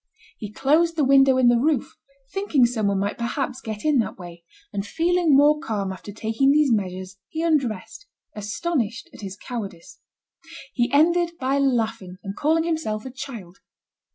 He closed the window in the roof thinking someone might perhaps get in that way, and feeling more calm after taking these measures, he undressed, astonished at his cowardice. He ended by laughing and calling himself a child.